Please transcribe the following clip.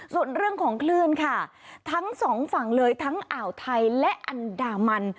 ส่วนเรื่องของคลื่นค่ะทั้งสองฝั่งเลยทั้งอ่าวไทยและอันดามัน